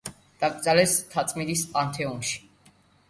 დაკრძალეს მთაწმინდის პანთეონში.